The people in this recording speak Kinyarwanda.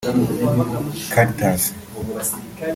Caritas